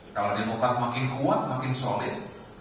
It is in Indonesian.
kalau demokrat makin kuat makin solid